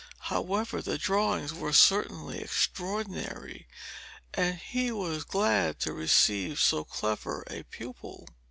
However, the drawings were certainly extraordinary, and he was glad to receive so clever a pupil.